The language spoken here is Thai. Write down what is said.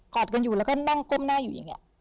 อดกันอยู่แล้วก็นั่งก้มหน้าอยู่อย่างนี้